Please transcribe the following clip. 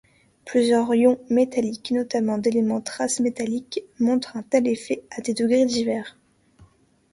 Plusieurs ions métalliques, notamment d'éléments-traces métalliques, montrent un tel effet à des degrés divers.